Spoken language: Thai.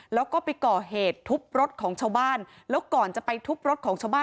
แล้วก็ไปก่อเหตุทุบรถของชาวบ้านแล้วก่อนจะไปทุบรถของชาวบ้าน